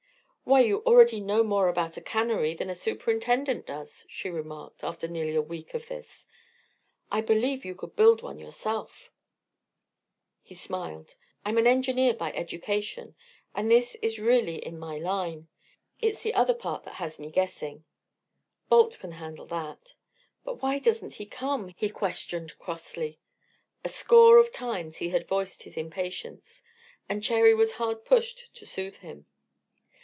"Why, you already know more about a cannery than a superintendent does," she remarked, after nearly a week of this. "I believe you could build one yourself." He smiled. "I'm an engineer by education, and this is really in my line. It's the other part that has me guessing." "Balt can handle that." "But why doesn't he come?" he questioned, crossly. A score of times he had voiced his impatience, and Cherry was hard pushed to soothe him.